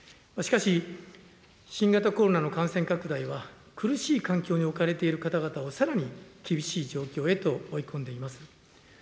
しかし、新型コロナの感染拡大は、苦しい環境に置かれている方々をさらに厳しい状況へと追い込んでいます。